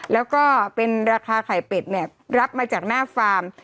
แล้วก็เป็นราคาไข่เป็ดเนี่ยรับมาจากหน้าฟาร์ม